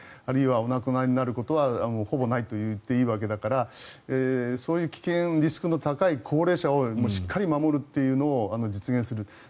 あるいはお亡くなりになることはほぼないといっていいわけだからそういう危険リスクが高い高齢者をしっかり守るというのを実現する。